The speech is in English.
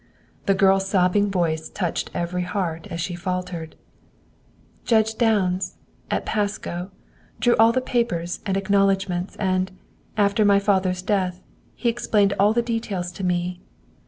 The girl's sobbing voice touched every heart as she faltered, "Judge Downs, at Pasco, drew all the papers and acknowledgments, and, after my father's death, he explained all the details to me.